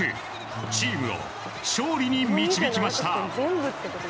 チームを勝利に導きました。